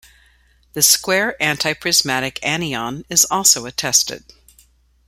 The square antiprismatic anion is also attested.